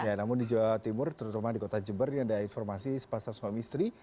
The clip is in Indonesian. ya namun di jawa timur terutama di kota jember ini ada informasi sepasang suami istri